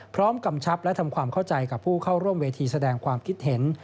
กำชับและทำความเข้าใจกับผู้เข้าร่วมเวทีแสดงความคิดเห็น